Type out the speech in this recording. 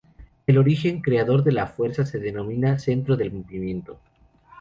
El origen creador de la fuerza se denomina "centro del movimiento".